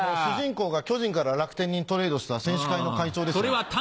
主人公が巨人から楽天にトレードした選手会の会長ですよね？